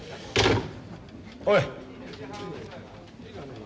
おい。